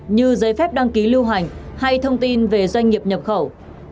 như giấy phép đăng ký lưu hành hay thông tin về doanh nghiệp nhập khẩu